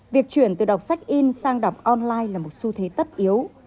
việc chuyển từ đọc sách in sang đọc online là một xu thế tất yếu